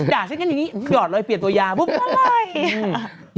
ฉันกันอย่างนี้หยอดเลยเปลี่ยนตัวยาปุ๊บก็เลย